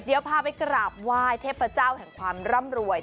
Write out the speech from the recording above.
เดี๋ยวพาไปกราบไหว้เทพเจ้าแห่งความร่ำรวย